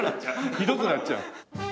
ひどくなっちゃう。